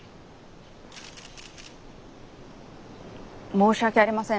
申し訳ありません。